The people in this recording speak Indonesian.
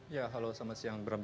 ya halo selamat siang